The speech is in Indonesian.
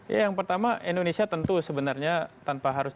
ya yang pertama indonesia tentu sebenarnya tanpa harus